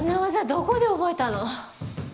どこで覚えたの？